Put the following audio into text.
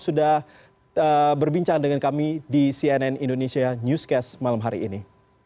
sudah berbincang dengan kami di cnn indonesia newscast malam hari ini